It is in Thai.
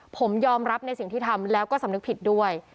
ผมยอมรับในสิ่งที่ทำแล้วก็สำนึกผิดด้วย